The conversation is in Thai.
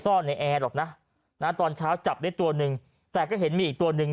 ซ่อนในแอร์หรอกนะนะตอนเช้าจับได้ตัวหนึ่งแต่ก็เห็นมีอีกตัวหนึ่ง